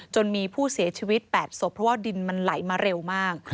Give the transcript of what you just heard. มีผู้เสียชีวิต๘ศพเพราะว่าดินมันไหลมาเร็วมาก